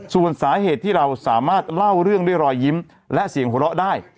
ส่วนสาเหตุที่เราสามารถเล่าเรื่องด้วยรอยยิ้มและเสียงหัวเราะได้